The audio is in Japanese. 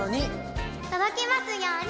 とどきますように。